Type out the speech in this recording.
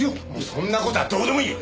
そんな事はどうでもいい！